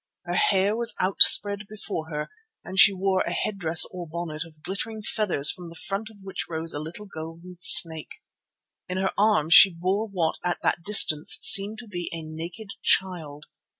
Her hair was outspread before her, and she wore a head dress or bonnet of glittering feathers from the front of which rose a little golden snake. In her arms she bore what at that distance seemed to be a naked child.